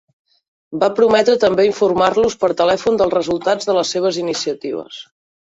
Va prometre també informar-los per telèfon dels resultats de les seves iniciatives.